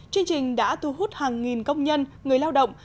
chương trình đã thu hút hàng nghìn công nhân người lao động